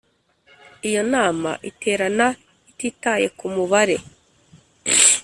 Iyo nama iterana ititaye ku mubare